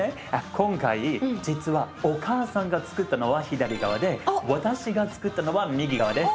今回実はお母さんがつくったのは左側で私がつくったのは右側です。